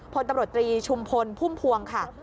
พลตำรวจตรีชุมพลพุ่มพวงค่ะ